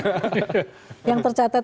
karena yang tercatat